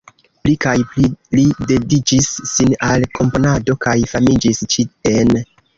Pli kaj pli li dediĉis sin al komponado kaj famiĝis ĉi-ene.